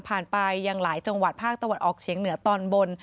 ไปยังหลายจังหวัดภาคตะวันออกเฉียงเหนือตอนบน